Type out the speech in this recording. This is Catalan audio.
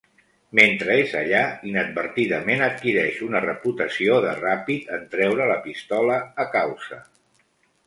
Mentre és allà inadvertidament adquireix una reputació de ràpid en treure la pistola a causa.